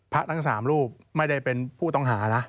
ทั้ง๓รูปไม่ได้เป็นผู้ต้องหานะ